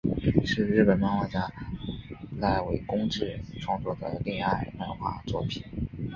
是日本漫画家濑尾公治创作的恋爱漫画作品。